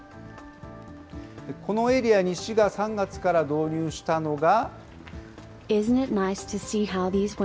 このエリアに市が３月から導入したのが。